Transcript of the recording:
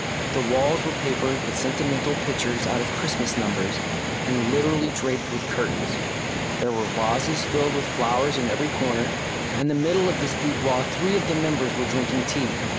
The walls were papered with sentimental pictures out of Christmas numbers and literally draped with curtains ; there were vases filled with flowers in every corner, and in the middle of this boudoir three of the members were drink ing tea.